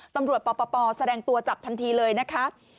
ตำรวจปปแสดงตัวจับทันทีเลยนะครับ